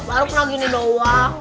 baru kena gini doang